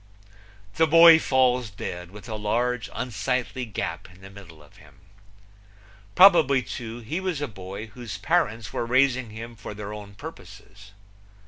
The boy falls dead, with a large unsightly gap in the middle of him. Probably, too, he was a boy whose parents were raising him for their own purposes.